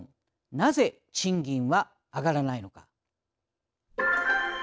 なぜ賃金は上がらないのか？」。